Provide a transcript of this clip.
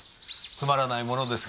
つまらないものですが。